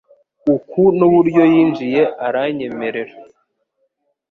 Uku nuburyo yinjiye aranyemerera